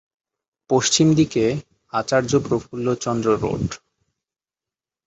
পশ্চিম দিকে আচার্য প্রফুল্লচন্দ্র রোড।